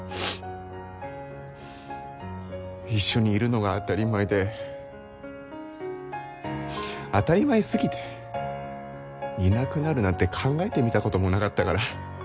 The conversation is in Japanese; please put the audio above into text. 一緒にいるのが当たり前で当たり前すぎていなくなるなんて考えてみたこともなかったから。